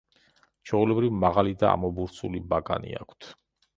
ჩვეულებრივ, მაღალი და ამობურცული ბაკანი აქვთ.